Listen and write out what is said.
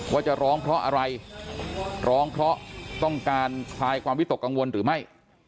ว่าจะร้องเพราะอะไรร้องเพราะต้องการคลายความวิตกกังวลหรือไม่